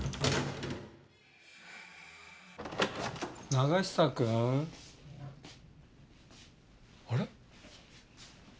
永久くん。あれ？